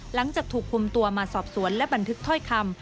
หลังจากถูกคุมตัวมาสอบสวนและบันทึกถ้อยคำ